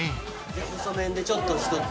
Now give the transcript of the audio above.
細麺でちょっと１つ。